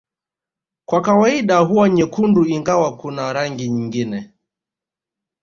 Kwa kawaida huwa nyekundu ingawa kuna rangi nyingine